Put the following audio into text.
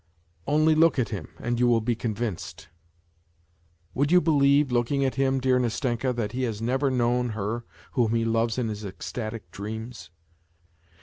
... Only look at him, and you will be convinced ! Would you believe, look ing at him, dear Nastenka, that he has never known her whom he loves in his ecstatic dreams